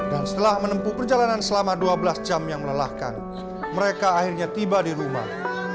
dan setelah menempuh perjalanan selama dua belas jam yang melelahkan mereka akhirnya tiba di rumah